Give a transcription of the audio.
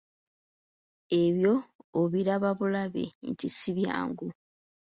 Ebyo obiraba bulabi nti si byangu.